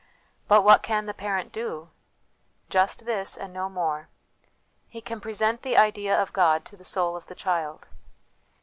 But what can the parent do ? Just this, and no more : he can present the idea of God to the soul of the child.